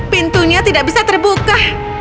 pintunya tidak bisa terbuka